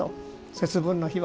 節分の日は。